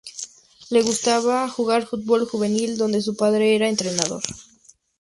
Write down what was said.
Le gustaba jugar fútbol juvenil, donde su padre era entrenador.